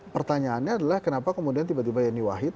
pertanyaannya adalah kenapa kemudian tiba tiba yeni wahid